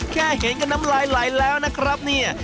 แค่เห็นกับน้ำลายไหลแล้วนะครับเนี่ย